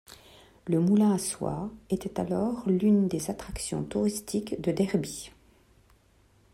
Le moulin à soie était alors l'une des attractions touristiques de Derby.